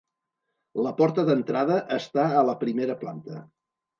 La porta d'entrada està a la primera planta.